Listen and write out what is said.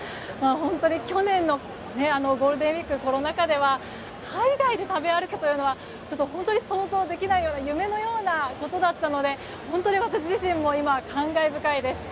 本当に去年のゴールデンウィークコロナ禍では海外で食べ歩くというのは本当に想像できないような夢のようなことだったので本当に私自身も今、感慨深いです。